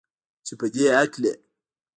چې پدې هکله